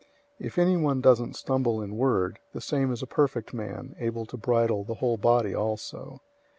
If anyone doesn't stumble in word, the same is a perfect man, able to bridle the whole body also.